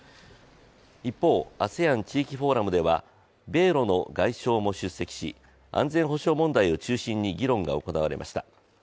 一方、ＡＳＥＡＮ地域フォーラムでは米ロの外相も出席し安全保障問題を中心に議論が行われました。